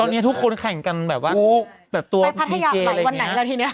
ตอนนี้ทุกคนแข่งกันแบบว่าตัวมีเก๋นะ